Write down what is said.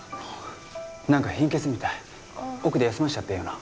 何か貧血みたい奥で休ませちゃってええよな？